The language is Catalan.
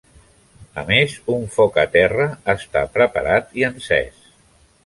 A més, un foc a terra està preparat i encès.